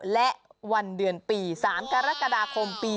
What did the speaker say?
และวันเดือนปี๓กรกฎาคมปี๒๕